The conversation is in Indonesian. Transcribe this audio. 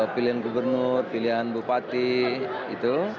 pilihan gubernur pilihan bupati itu